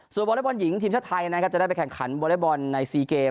วอเล็กบอลหญิงทีมชาติไทยนะครับจะได้ไปแข่งขันวอเล็กบอลใน๔เกม